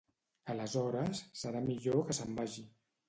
Aleshores, serà millor que se'n vagi.